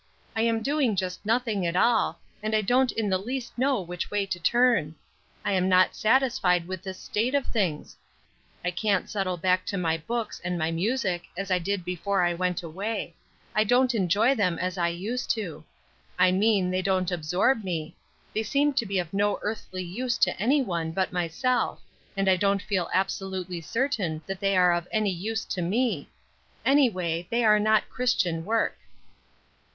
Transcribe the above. I am doing just nothing at all, and I don't in the least know which way to turn. I am not satisfied with this state of things; I can't settle back to my books and my music as I did before I went away; I don't enjoy them as I used to; I mean, they don't absorb me; they seem to be of no earthly use to anyone but myself, and I don't feel absolutely certain that they are of any use to me; anyway, they are not Christian work."